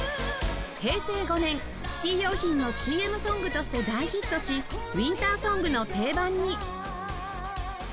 平成５年スキー用品の ＣＭ ソングとして大ヒットしウィンターソングの定番に